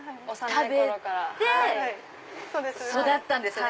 食べて育ったんですよね。